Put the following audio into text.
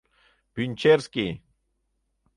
Пӱнчерский!